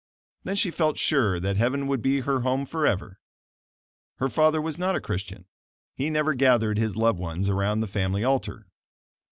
Then she felt sure that heaven would be her home forever. Her father was not a Christian. He never gathered his loved ones around the family altar.